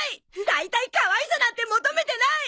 大体かわいさなんて求めてない！